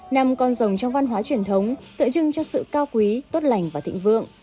năm còn rồng trong văn hóa truyền thống tựa chưng cho sự cao quý tốt lành và thịnh vượng